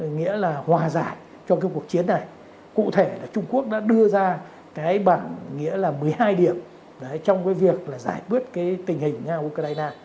nghĩa là hòa giải cho cái cuộc chiến này cụ thể là trung quốc đã đưa ra cái bản nghĩa là một mươi hai điểm trong cái việc là giải quyết cái tình hình nga ukraine